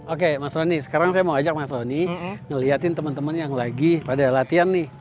oke mas rony sekarang saya mau ajak mas rony ngeliatin teman teman yang lagi pada latihan nih